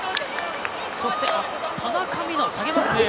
そして、田中美南下げましたね。